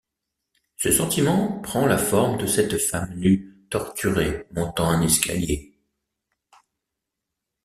Ce sentiment prend la forme de cette femme nue torturée montant un escalier.